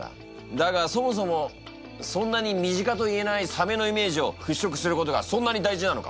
だがそもそもそんなに身近と言えないサメのイメージを払拭することがそんなに大事なのか？